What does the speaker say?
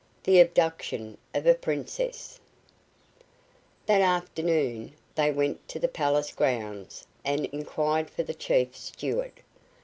THE ABDUCTION OF A PRINCESS That afternoon they went to the palace grounds and inquired for the chief steward.